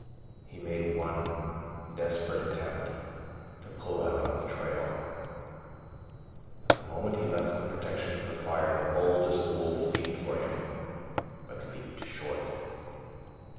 He made one desperate attempt to pull out on the trail. But the moment he left the protection of the fire, the boldest wolf leaped for him, but leaped short.